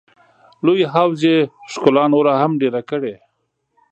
لوی حوض یې ښکلا نوره هم ډېره کړې.